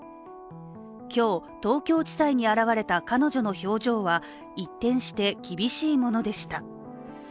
今日、東京地裁に現れた彼女の表情は一転して、厳しいものでした。